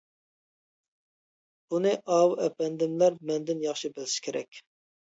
بۇنى ئاۋۇ ئەپەندىملەر مەندىن ياخشى بىلسە كېرەك.